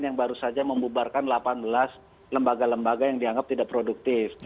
yang baru saja membubarkan delapan belas lembaga lembaga yang dianggap tidak produktif